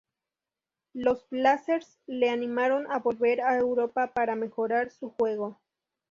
Los Blazers le animaron a volver a Europa para mejorar su juego.